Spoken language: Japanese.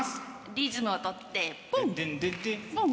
リズムを取ってポンポン。